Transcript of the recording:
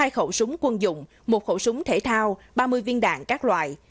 hai khẩu súng quân dụng một khẩu súng thể thao ba mươi viên đạn các loại